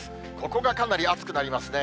ここがかなり暑くなりますね。